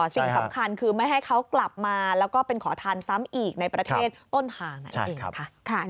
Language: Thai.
สิ่งสำคัญคือไม่ให้เขากลับมาแล้วก็เป็นขอทานซ้ำอีกในประเทศต้นทางนั่นเองนะคะ